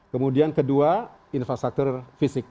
kemudian kedua infrastructure fisik